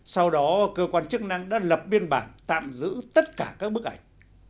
sau đó cơ quan chức năng đã lập biên bản tạm giữ tất cả các bức ảnh